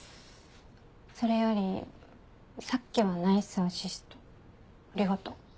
それよりさっきはナイスアシストありがとう。